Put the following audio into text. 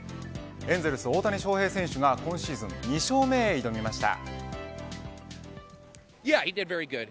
エンゼルス、大谷翔平選手が今シーズン２勝目へ挑みました。